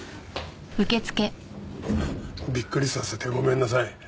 びっくりさせてごめんなさい。